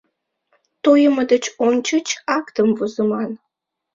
Тойымо деч ончыч актым возыман...